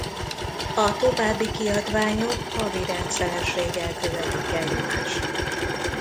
A további kiadványok havi rendszerességgel követik egymást.